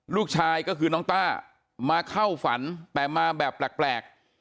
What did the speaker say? ลูกชายก็คือน้องต้ามาเข้าฝันแต่มาแบบแปลก